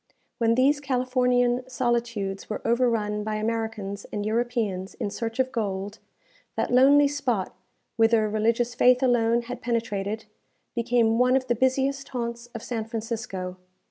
When these Californian solitudes were overrun by Americans and Europeans in search of gold, that lonely spot, whither religious faith alone had penetrated, became one of the busiest haunts of San Francisco.